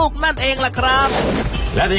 แคลักตุ๋นมะมะนาวดอม